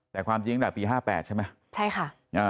แต่ความจริงตั้งแต่ปี๕๘ใช่ไหมใช่ค่ะ